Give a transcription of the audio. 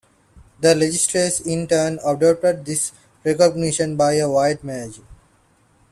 The legislature in turn adopted this recommendation by a wide margin.